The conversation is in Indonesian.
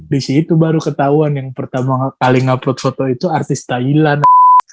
disitu baru ketahuan yang pertama kali nge upload foto itu artis thailand